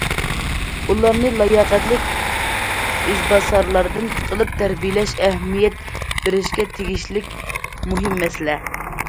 ئۇلارنى لاياقەتلىك ئىزباسارلاردىن قىلىپ تەربىيەلەش ئەھمىيەت بېرىشكە تېگىشلىك مۇھىم مەسىلە.